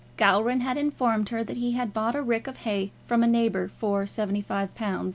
Gowran had informed her that he had bought a rick of hay from a neighbour for £75 15s. 9d.